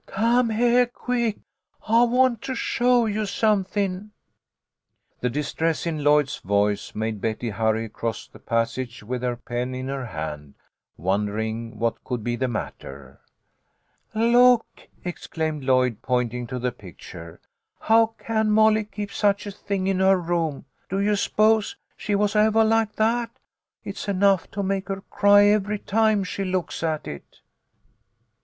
"Come heah quick! I want to show you something." MOLLY'S STORY. 77 The distress in Lloyd's voice made Betty hurry across the passage with her pen in her hand, wonder ing what could be the matter. " Look !" exclaimed Lloyd, pointing to the pic ture. " How can Molly keep such a thing in her room ? Do you s'pose she was evah like that ? It's enough to make her cry every time she looks at it."